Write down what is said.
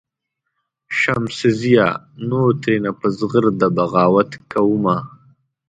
"شمسزیه نور ترېنه په زغرده بغاوت کومه.